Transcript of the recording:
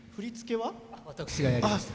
私がやりました。